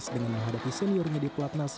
dengan menghadapi seniornya di pelatnas